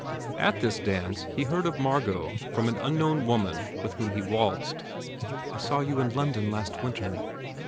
At this dance he heard of M argot from an unknown woman with whom he waltzed. U I saw you in London, last winter."